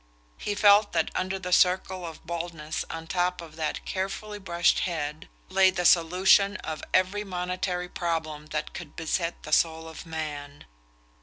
He felt that under the circle of baldness on top of that carefully brushed head lay the solution of every monetary problem that could beset the soul of man.